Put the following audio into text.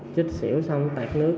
chích xỉu xong tạt nước